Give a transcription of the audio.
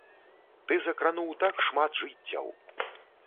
Ты закрануў так шмат жыццяў!